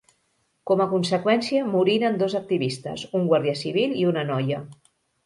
Com a conseqüència moriren dos activistes, un guàrdia civil i una noia.